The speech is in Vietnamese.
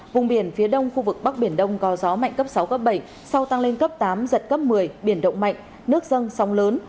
vùng biển phía đông khu vực bắc biển đông có gió mạnh cấp sáu cấp bảy sau tăng lên cấp tám giật cấp một mươi biển động mạnh nước dâng sóng lớn